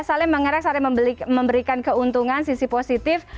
saling mengeras saling memberikan keuntungan sisi positif